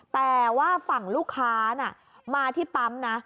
แต่ว่าฝั่งลูกค้าน่ะมาที่ปั๊มนะ